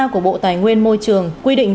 của bộ tài nguyên môi trường quy định